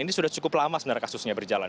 ini sudah cukup lama sebenarnya kasusnya berjalan